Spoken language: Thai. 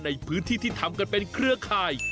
ในพื้นที่ที่ทำกันเป็นเครือข่าย